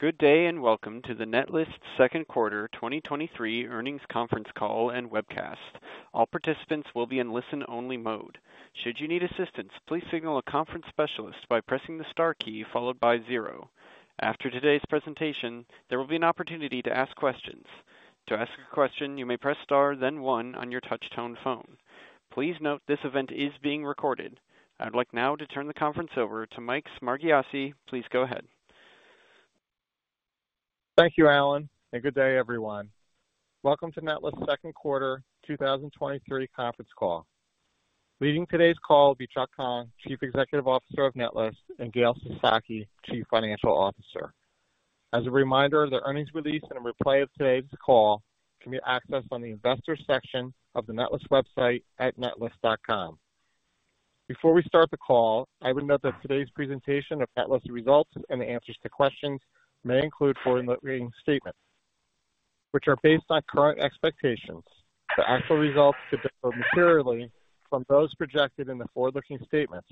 Good day. Welcome to the Netlist Q2 2023 Earnings Conference Call and Webcast. All participants will be in listen-only mode. Should you need assistance, please signal a conference specialist by pressing the star key followed by zero. After today's presentation, there will be an opportunity to ask questions. To ask a question, you may press star, then one on your touch-tone phone. Please note this event is being recorded. I'd like now to turn the conference over to Mike Smargiassi. Please go ahead. Thank you, Alan, and good day, everyone. Welcome to Netlist Q2 2023 Conference Call. Leading today's call will be Chuck Hong, Chief Executive Officer of Netlist, and Gail Sasaki, Chief Financial Officer. As a reminder, the earnings release and a replay of today's call can be accessed on the Investors section of the Netlist website at netlist.com. Before we start the call, I would note that today's presentation of Netlist results and answers to questions may include forward-looking statements, which are based on current expectations. The actual results could differ materially from those projected in the forward-looking statements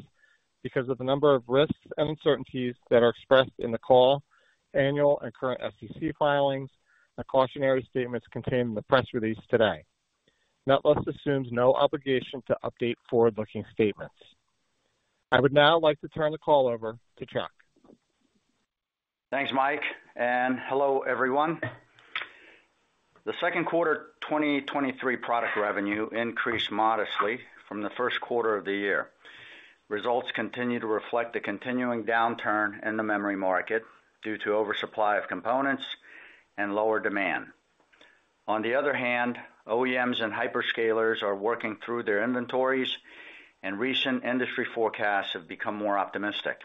because of the number of risks and uncertainties that are expressed in the call, annual and current SEC filings, and the cautionary statements contained in the press release today. Netlist assumes no obligation to update forward-looking statements. I would now like to turn the call over to Chuck. Thanks, Mike, and hello, everyone. The Q2 2023 product revenue increased modestly from the Q1 of the year. Results continue to reflect the continuing downturn in the memory market due to oversupply of components and lower demand. On the other hand, OEMs and hyperscalers are working through their inventories, and recent industry forecasts have become more optimistic.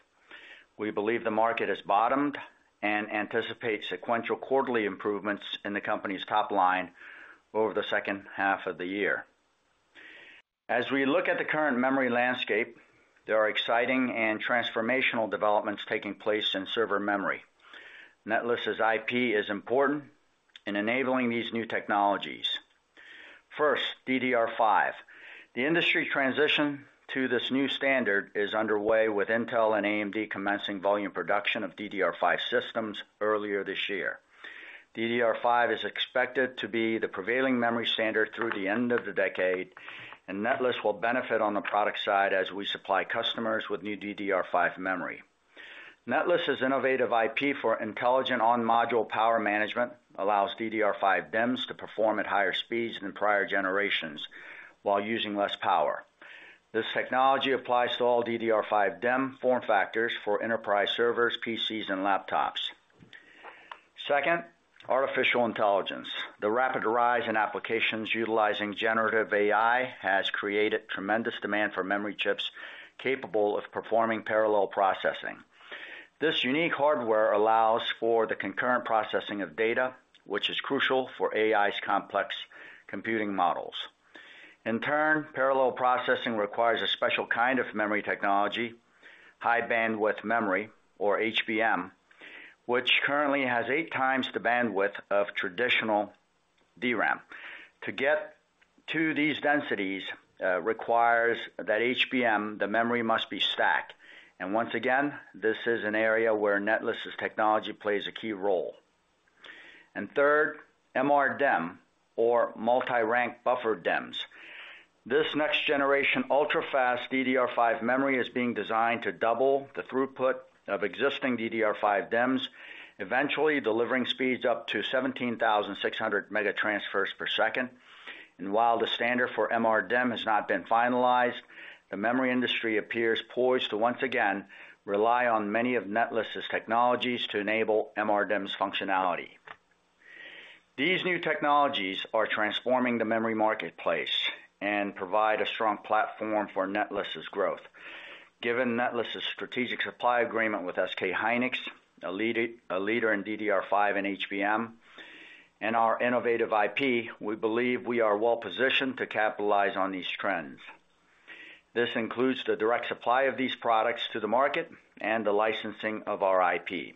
We believe the market has bottomed and anticipate sequential quarterly improvements in the company's top line over the H2 of the year. As we look at the current memory landscape, there are exciting and transformational developments taking place in server memory. Netlist's IP is important in enabling these new technologies. First, DDR5. The industry transition to this new standard is underway, with Intel and AMD commencing volume production of DDR5 systems earlier this year. DDR5 is expected to be the prevailing memory standard through the end of the decade. Netlist will benefit on the product side as we supply customers with new DDR5 memory. Netlist's innovative IP for intelligent on-module power management allows DDR5 DIMMs to perform at higher speeds than prior generations while using less power. This technology applies to all DDR5 DIMM form factors for enterprise servers, PCs, and laptops. Second, artificial intelligence. The rapid rise in applications utilizing generative AI has created tremendous demand for memory chips capable of performing parallel processing. This unique hardware allows for the concurrent processing of data, which is crucial for AI's complex computing models. In turn, parallel processing requires a special kind of memory technology, high bandwidth memory, or HBM, which currently has eight times the bandwidth of traditional DRAM. To get to these densities requires that HBM, the memory, must be stacked. Once again, this is an area where Netlist's technology plays a key role. Third, MR DIMM, or Multi-Rank Buffered DIMMs. This next-generation, ultra-fast DDR5 memory is being designed to double the throughput of existing DDR5 DIMMs, eventually delivering speeds up to 17,600 megatransfers per second. While the standard for MR DIMM has not been finalized, the memory industry appears poised to once again rely on many of Netlist's technologies to enable MR DIMM's functionality. These new technologies are transforming the memory marketplace and provide a strong platform for Netlist's growth. Given Netlist's strategic supply agreement with SK hynix, a leader in DDR5 and HBM, and our innovative IP, we believe we are well positioned to capitalize on these trends. This includes the direct supply of these products to the market and the licensing of our IP.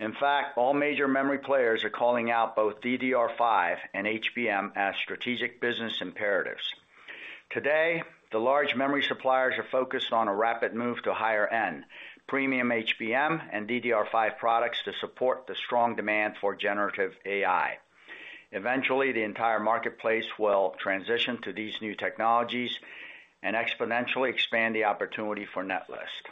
In fact, all major memory players are calling out both DDR5 and HBM as strategic business imperatives. Today, the large memory suppliers are focused on a rapid move to higher-end premium HBM and DDR5 products to support the strong demand for generative AI. Eventually, the entire marketplace will transition to these new technologies and exponentially expand the opportunity for Netlist.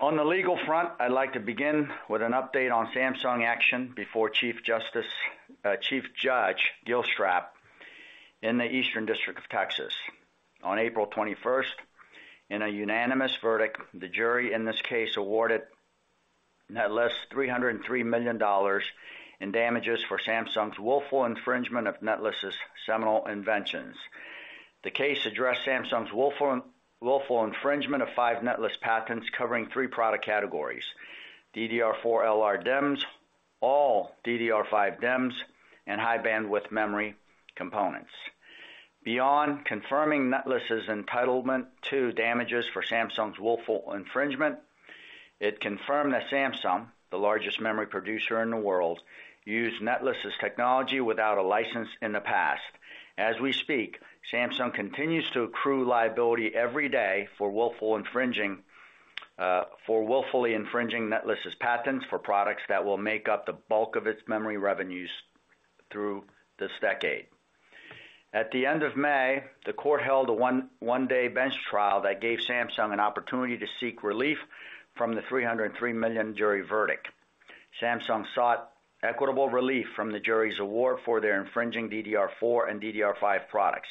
On the legal front, I'd like to begin with an update on Samsung action before Chief Judge Gilstrap in the Eastern District of Texas. On 21 April 2023, in a unanimous verdict, the jury in this case awarded Netlist $303 million in damages for Samsung's willful infringement of Netlist's seminal inventions. The case addressed Samsung's willful, willful infringement of five Netlist patents covering three product categories: DDR4 LRDIMMs, all DDR5 DIMMs, and high bandwidth memory components. Beyond confirming Netlist's entitlement to damages for Samsung's willful infringement, it confirmed that Samsung, the largest memory producer in the world, used Netlist's technology without a license in the past. As we speak, Samsung continues to accrue liability every day for willfully infringing Netlist's patents for products that will make up the bulk of its memory revenues through this decade. At the end of May, the court held a one-day bench trial that gave Samsung an opportunity to seek relief from the $303 million jury verdict. Samsung sought equitable relief from the jury's award for their infringing DDR4 and DDR5 products.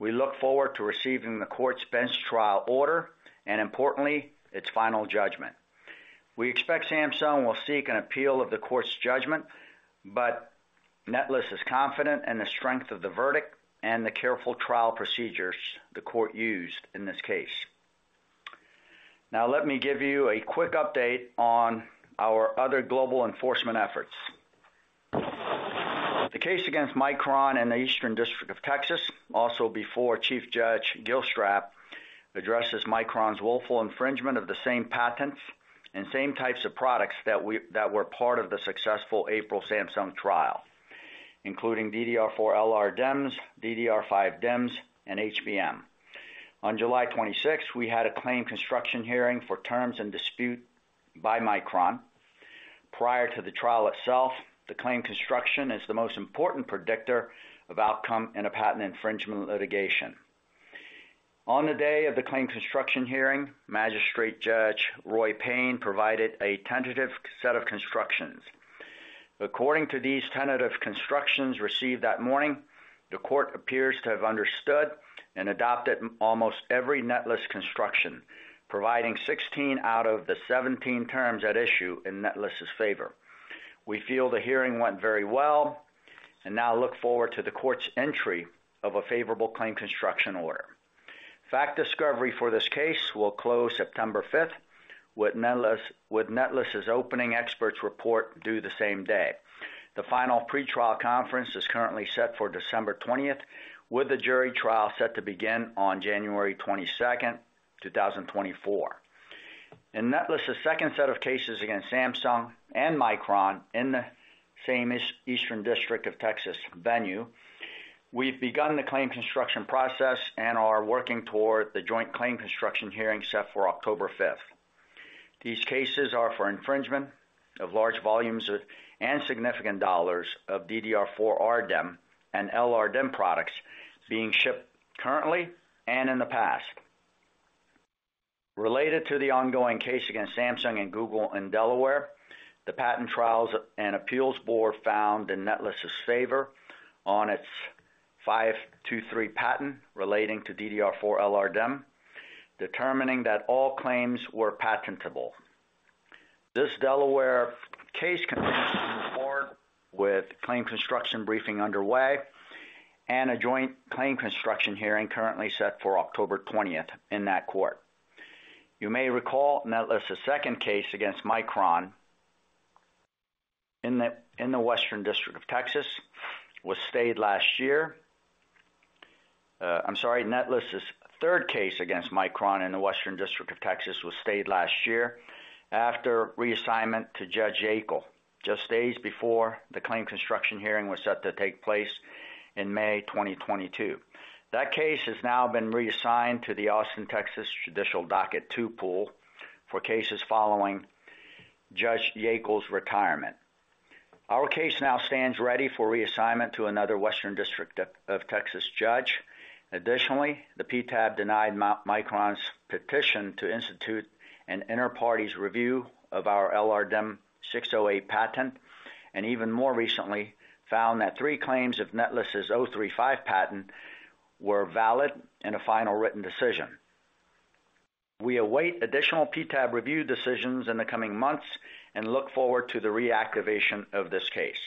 We look forward to receiving the court's bench trial order and importantly, its final judgment. We expect Samsung will seek an appeal of the court's judgment. Netlist is confident in the strength of the verdict and the careful trial procedures the court used in this case. Now, let me give you a quick update on our other global enforcement efforts. The case against Micron in the Eastern District of Texas, also before Chief Judge Gilstrap, addresses Micron's willful infringement of the same patents and same types of products that were part of the successful April Samsung trial, including DDR4 LRDIMMs, DDR5 DIMMs, and HBM. On 26 July 2023, we had a claim construction hearing for terms in dispute by Micron. Prior to the trial itself, the claim construction is the most important predictor of outcome in a patent infringement litigation. On the day of the claim construction hearing, Magistrate Judge Roy Payne provided a tentative set of constructions. According to these tentative constructions received that morning, the court appears to have understood and adopted almost every Netlist construction, providing 16 out of the 17 terms at issue in Netlist's favor. We feel the hearing went very well. Now look forward to the court's entry of a favorable claim construction order. Fact discovery for this case will close September fifth, with Netlist's opening experts report due the same day. The final pretrial conference is currently set for 20 December 2023, with the jury trial set to begin on 22 January 2024. In Netlist's second set of cases against Samsung and Micron in the famous Eastern District of Texas venue, we've begun the claim construction process and are working toward the joint claim construction hearing set for 05 October 2023. These cases are for infringement of large volumes of, and significant dollars of DDR4 RDIMM and LRDIMM products being shipped currently and in the past. Related to the ongoing case against Samsung and Google in Delaware, the Patent Trial and Appeal Board found in Netlist's favor on its '523 patent relating to DDR4 LRDIMM, determining that all claims were patentable. This Delaware case continues to move forward with claim construction briefing underway and a joint claim construction hearing currently set for 20 October 2023 in that court. You may recall, Netlist's second case against Micron in the Western District of Texas, was stayed last year. I'm sorry, Netlist's third case against Micron in the Western District of Texas was stayed last year after reassignment to Judge Scarsi, just days before the claim construction hearing was set to take place in May 2022. That case has now been reassigned to the Austin, Texas, Judicial Docket II pool for cases following Judge Yeakel's retirement. Our case now stands ready for reassignment to another Western District of Texas judge. Additionally, the PTAB denied Micron's petition to institute an inter partes review of our LRDIMM '608 patent, and even more recently, found that 3 claims of Netlist's '035 patent were valid in a final written decision. We await additional PTAB review decisions in the coming months and look forward to the reactivation of this case.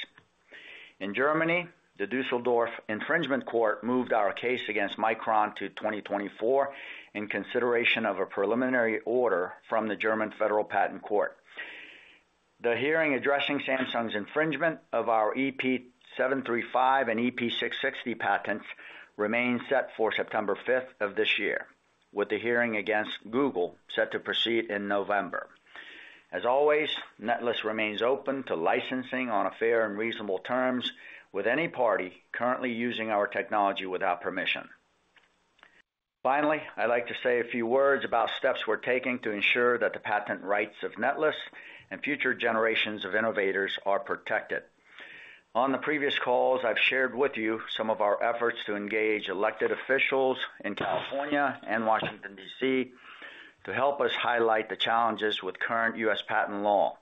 In Germany, the Düsseldorf Regional Court moved our case against Micron to 2024 in consideration of a preliminary order from the German Federal Patent Court. The hearing, addressing Samsung's infringement of our EP735 and EP660 patents, remains set for 05 September 2023 of this year, with the hearing against Google set to proceed in November. As always, Netlist remains open to licensing on a fair and reasonable terms with any party currently using our technology without permission. Finally, I'd like to say a few words about steps we're taking to ensure that the patent rights of Netlist and future generations of innovators are protected. On the previous calls, I've shared with you some of our efforts to engage elected officials in California and Washington, D.C., to help us highlight the challenges with current U.S. patent law,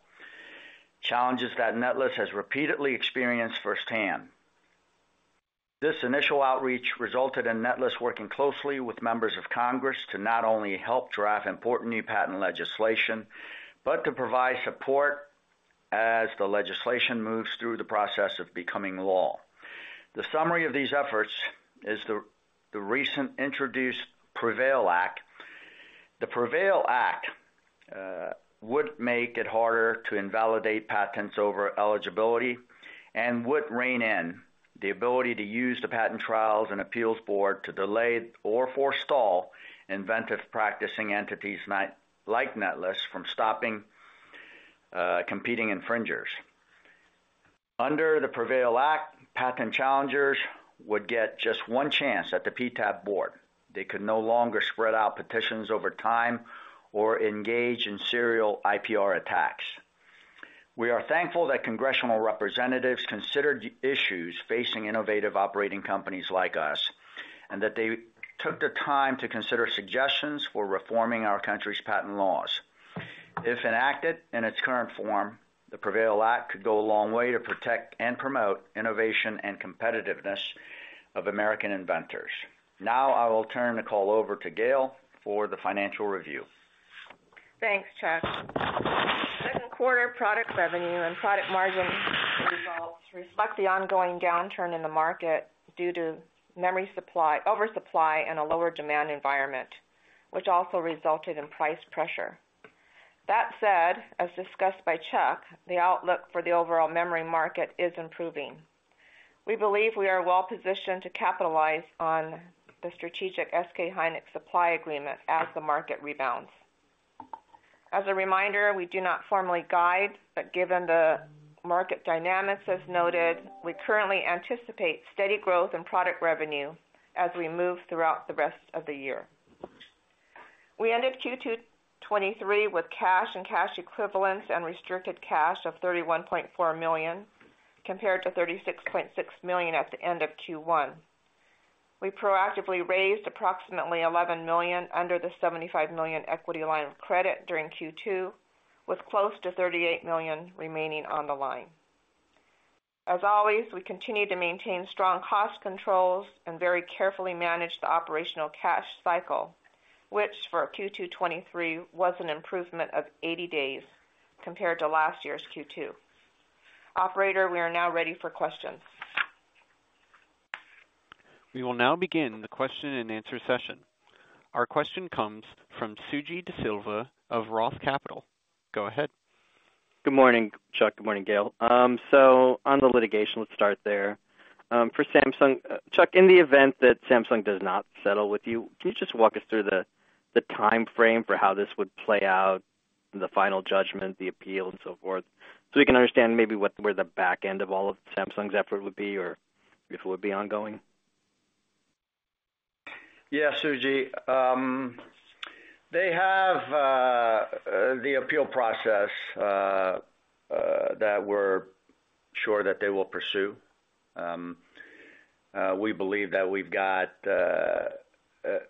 challenges that Netlist has repeatedly experienced firsthand. This initial outreach resulted in Netlist working closely with members of Congress to not only help draft important new patent legislation, but to provide support as the legislation moves through the process of becoming law. The summary of these efforts is the recent introduced PREVAIL Act. The PREVAIL Act would make it harder to invalidate patents over eligibility and would rein in the ability to use the Patent Trial and Appeal Board to delay or forestall inventive practicing entities, like Netlist, from stopping competing infringers. Under the PREVAIL Act, patent challengers would get just one chance at the PTAB board. They could no longer spread out petitions over time or engage in serial IPR attacks. We are thankful that congressional representatives considered the issues facing innovative operating companies like us, and that they took the time to consider suggestions for reforming our country's patent laws. If enacted in its current form, the Prevail Act could go a long way to protect and promote innovation and competitiveness of American inventors. Now, I will turn the call over to Gail for the financial review. Thanks, Chuck. Q2 product revenue and product margin results reflect the ongoing downturn in the market due to memory oversupply and a lower demand environment, which also resulted in price pressure. That said, as discussed by Chuck, the outlook for the overall memory market is improving. We believe we are well-positioned to capitalize on the strategic SK hynix supply agreement as the market rebounds. As a reminder, we do not formally guide, but given the market dynamics, as noted, we currently anticipate steady growth in product revenue as we move throughout the rest of the year. We ended Q2 2023 with cash and cash equivalents and restricted cash of $31.4 million, compared to $36.6 million at the end of Q1. We proactively raised approximately $11 million under the $75 million equity line of credit during Q2, with close to $38 million remaining on the line. As always, we continue to maintain strong cost controls and very carefully manage the operational cash cycle, which for Q2 2023, was an improvement of 80 days compared to last year's Q2. Operator, we are now ready for questions. We will now begin the question-and-answer session. Our question comes from Suji Desilva of ROTH Capital. Go ahead. Good morning, Chuck and Gail. On the litigation, let's start there. For Samsung, Chuck, in the event that Samsung does not settle with you, can you just walk us through the, the timeframe for how this would play out, and the final judgment, the appeal, and so forth, so we can understand maybe where the back end of all of Samsung's effort would be, or if it would be ongoing? Yeah, Suji, they have the appeal process that we're sure that they will pursue. We believe that we've got a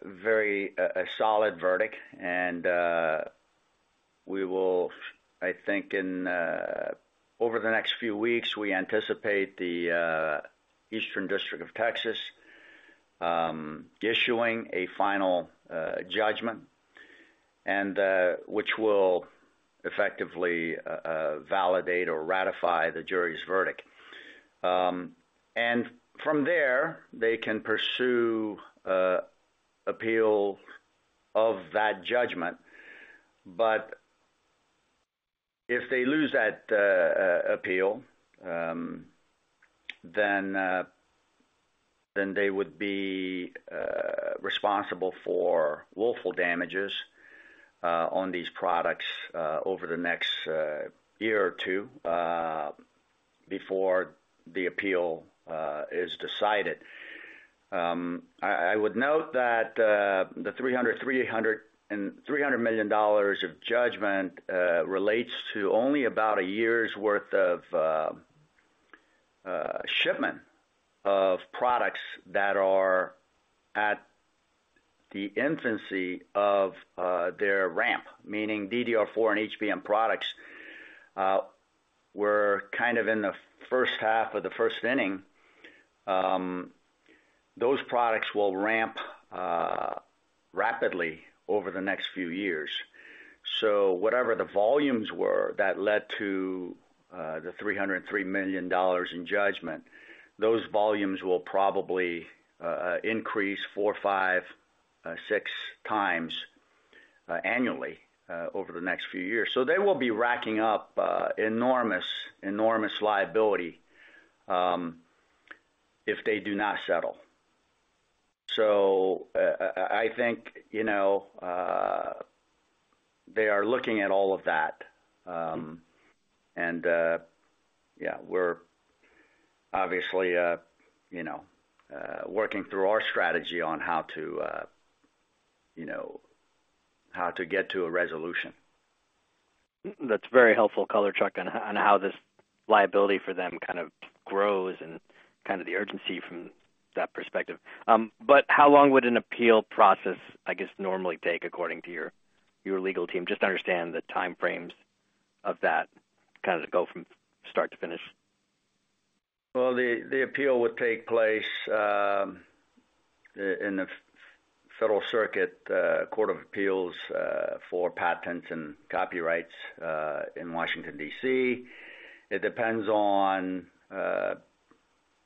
very, a solid verdict, and we will, I think in over the next few weeks, we anticipate the Eastern District of Texas issuing a final judgment, and which will effectively validate or ratify the jury's verdict. From there, they can pursue appeal of that judgment. If they lose that appeal, then they would be responsible for willful damages on these products over the next year or two before the appeal is decided. I would note that the $300 million of judgment relates to only about a year's worth of shipment of products that are at the infancy of their ramp. Meaning DDR4 and HBM products were kind of in the first half of the first inning. Those products will ramp rapidly over the next few years. Whatever the volumes were that led to the $303 million in judgment, those volumes will probably increase 4, 5, 6x annually over the next few years. They will be racking up enormous, enormous liability if they do not settle. I think, you know, they are looking at all of that. Yeah, we're obviously, you know, working through our strategy on how to, you know, how to get to a resolution. That's very helpful color, Chuck, on how this liability for them kind of grows and kind of the urgency from that perspective. How long would an appeal process, I guess, normally take, according to your, your legal team? Just to understand the time frames of that, kind of, to go from start to finish. Well, the appeal would take place in the Federal Circuit Court of Appeals for patents and copyrights in Washington, D.C. It depends on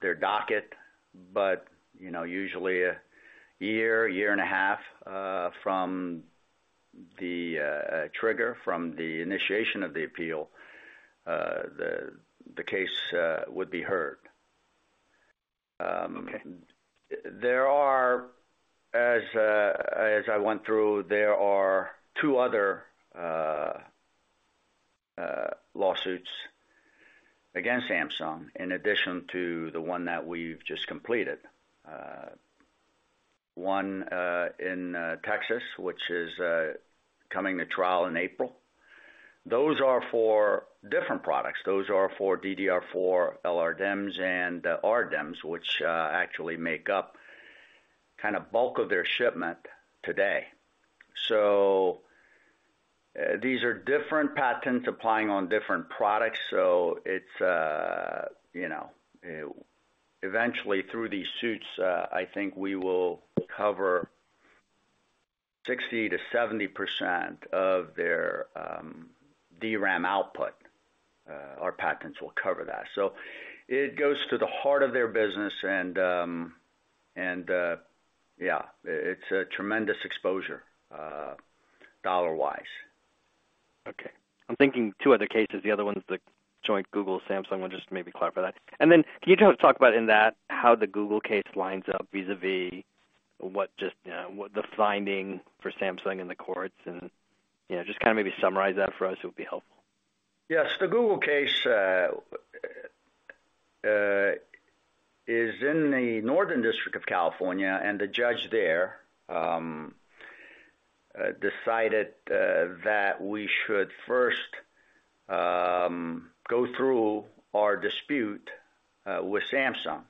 their docket, but, you know, usually a year, 1.5 years from the trigger, from the initiation of the appeal, the, the case would be heard. Okay. There are... As I went through, there are two other lawsuits against Samsung in addition to the one that we've just completed. One in Texas, which is coming to trial in April. Those are for different products. Those are for DDR4, LRDIMMs, and RDIMMs, which actually make up kind of bulk of their shipment today. These are different patents applying on different products, so it's, you know, eventually, through these suits, I think we will cover 60% to 70% of their DRAM output. Our patents will cover that. It goes to the heart of their business, and, yeah, it's a tremendous exposure, dollar-wise. Okay. I'm thinking two other cases. The other one is the joint Google-Samsung one, just to maybe clarify that. Can you just talk about in that, how the Google case lines up vis-a-vis what just, you know, what the finding for Samsung in the courts and, you know, just kind of maybe summarize that for us, it would be helpful. The Google case is in the Northern District of California. The judge there decided that we should first go through our dispute with Samsung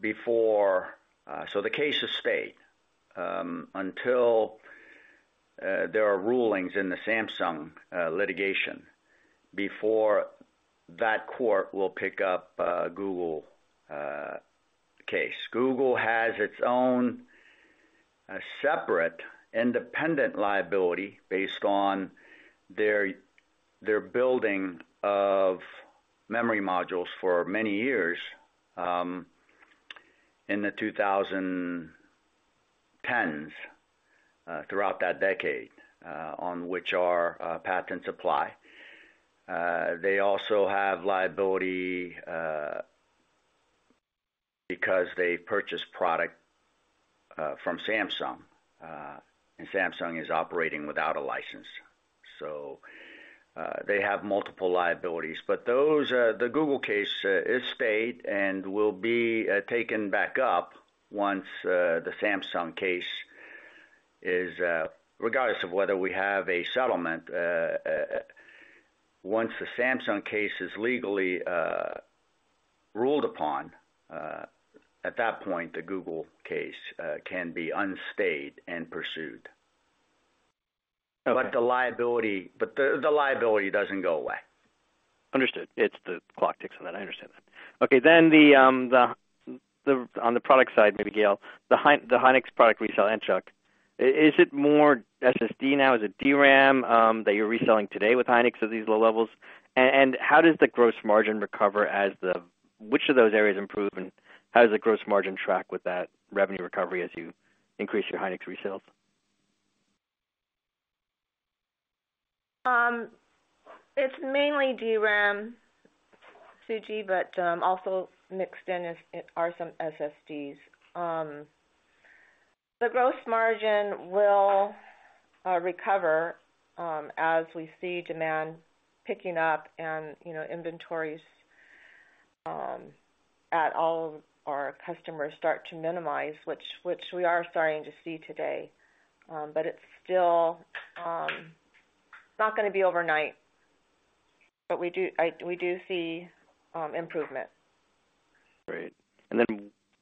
before. The case is stayed until there are rulings in the Samsung litigation before that court will pick up Google case. Google has its own separate independent liability based on their building of memory modules for many years in the 2010s throughout that decade on which our patents apply. They also have liability because they purchased product from Samsung. Samsung is operating without a license. They have multiple liabilities. The Google case is stayed and will be taken back up once the Samsung case is regardless of whether we have a settlement, once the Samsung case is legally ruled upon, at that point, the Google case, can be unstayed and pursued. But the liability. The liability doesn't go away. Understood. It's the clock ticks on that. I understand that. Okay, then the on the product side, maybe, Gail, the SK hynix product resell and Chuck, is it more SSD now? Is it DRAM that you're reselling today with SK hynix at these low levels? How does the gross margin recover as which of those areas improve, and how does the gross margin track with that revenue recovery as you increase your SK hynix resales? It's mainly DRAM, Suji, but also mixed in are some SSDs. The gross margin will recover as we see demand picking up and, you know, inventories at all of our customers start to minimize, which we are starting to see today. It's still not going to be overnight, but we see improvement. Great.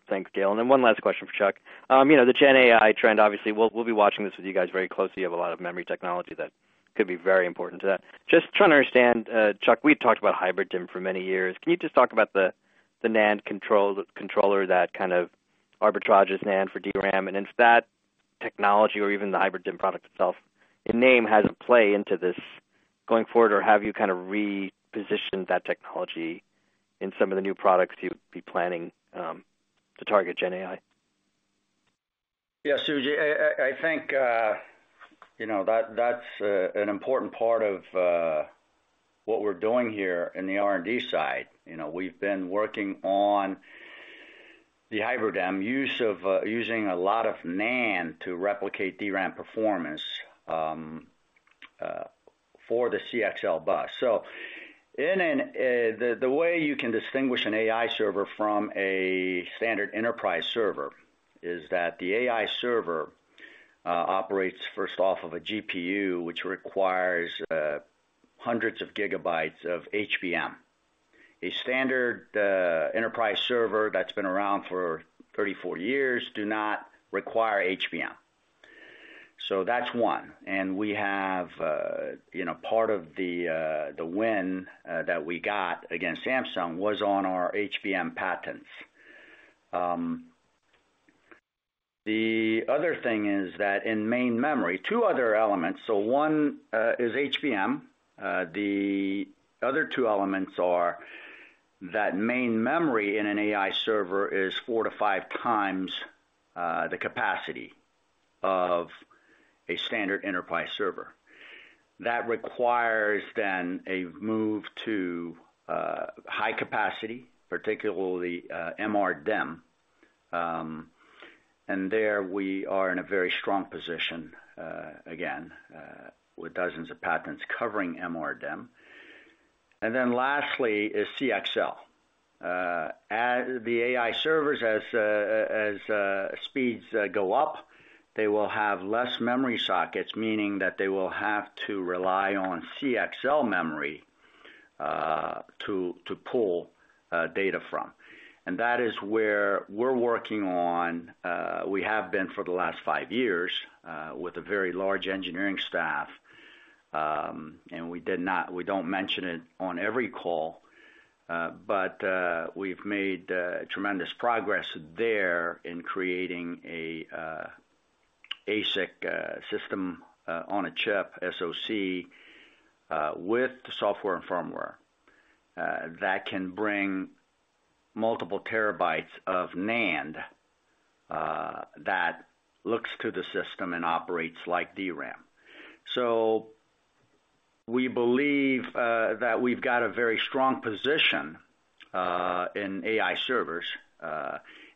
Thanks, Gail. Then one last question for Chuck. You know, the Gen AI trend, obviously, we'll be watching this with you guys very closely. You have a lot of memory technology that could be very important to that. Just trying to understand, Chuck, we've talked about HybriDIMM for many years. Can you just talk about the, the NAND controller, that kind of arbitrages NAND for DRAM, and if that technology or even the HybriDIMM product itself, in name, has a play into this going forward? Have you kind of repositioned that technology in some of the new products you'd be planning, to target Gen AI? Yeah, Suji, I think, you know, that, that's an important part of what we're doing here in the R&D side. You know, we've been working on the HybriDIMM use of using a lot of NAND to replicate DRAM performance for the CXL bus. The way you can distinguish an AI server from a standard enterprise server, is that the AI server operates first off of a GPU, which requires hundreds of gigabytes of HBM. A standard enterprise server that's been around for 30, 40 years do not require HBM. So that's one. We have, you know, part of the win that we got against Samsung was on our HBM patents. The other thing is that in main memory, two other elements. One is HBM. The other two elements are that main memory in an AI server is 4 to 5x the capacity of a standard enterprise server. That requires then a move to high capacity, particularly MRDIMM, and there we are in a very strong position again with dozens of patents covering MRDIMM. Lastly, is CXL. As the AI servers, as speeds go up, they will have less memory sockets, meaning that they will have to rely on CXL memory to pull data from. That is where we're working on, we have been for the last 5 years with a very large engineering staff. We don't mention it on every call, but we've made tremendous progress there in creating a ASIC system on a chip, SOC, with the software and firmware. That can bring multiple terabytes of NAND that looks to the system and operates like DRAM. We believe that we've got a very strong position in AI servers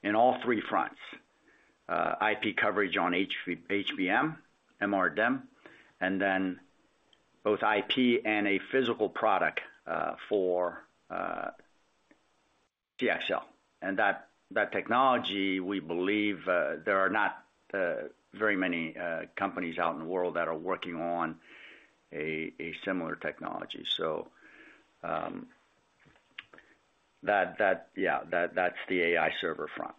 in all three fronts. IP coverage on HBM, MRDIMM, and then both IP and a physical product for CXL. That technology, we believe, there are not very many companies out in the world that are working on a similar technology. Yeah, that's the AI server front.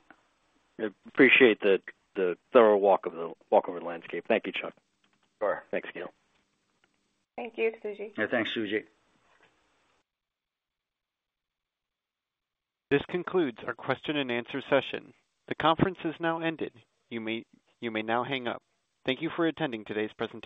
Appreciate the thorough walk of the walk over the landscape. Thank you, Chuck. Sure. Thanks, Neil. Thank you, Suji. Yeah, thanks, Suji. This concludes our question and answer session. The conference has now ended. You may now hang up. Thank you for attending today's presentation.